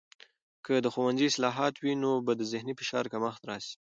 که د ښوونځي اصلاحات وي، نو به د ذهني فشار کمښت راسي.